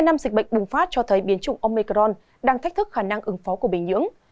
hai năm dịch bệnh bùng phát cho thấy biến chủng omicron đang thách thức khả năng ứng phó của bệnh nhưỡng